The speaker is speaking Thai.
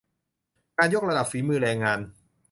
การยกระดับฝีมือแรงงาน